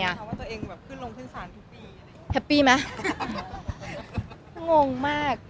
เพราะว่าตัวเองแบบขึ้นลงขึ้นศาลทุกปีแฮปปี้ไหมงงมาก